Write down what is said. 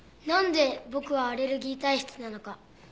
なんで僕はアレルギー体質なのか？